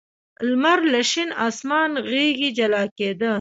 لمر له شین اسمان غېږې جلا کېده.